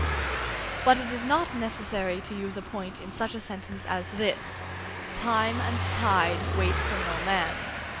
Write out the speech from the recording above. But it is not necessary to use a point in such a sentence as this: "Time and tide wait for no man."